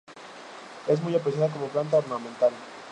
Es muy apreciada como planta ornamental.